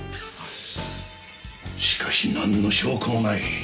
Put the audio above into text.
しかしなんの証拠もない。